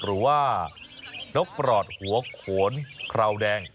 หรือว่านกปลอดหัวโขนคราวแดง